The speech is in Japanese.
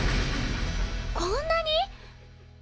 こんなに！？